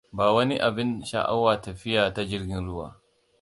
Ba wani abin sha'awa tafiya ta jirgin ruwa.